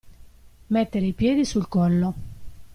Mettere i piedi sul collo.